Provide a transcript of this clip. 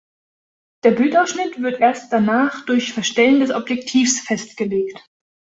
Der Bildausschnitt wird erst danach durch Verstellen des Objektivs festgelegt.